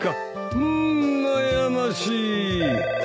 うん悩ましい。